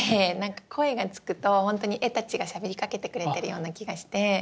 声がつくとほんとに絵たちがしゃべりかけてくれてるような気がして。